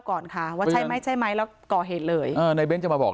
ก่อนค่ะว่าใช่ไหมใช่ไหมแล้วก่อเหตุเลยอ่าในเน้นจะมาบอก